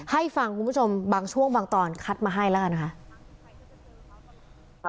ให้ฟังคุณผู้ชมบางช่วงบางตอนคัดมาให้แล้วกันค่ะ